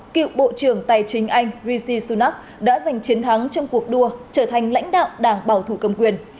cựu bộ trưởng tài chính anh rishi sunak đã giành chiến thắng trong cuộc đua trở thành lãnh đạo đảng bảo thủ cầm quyền